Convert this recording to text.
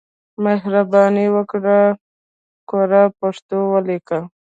مهرباني وکړئ کره پښتو ولیکئ.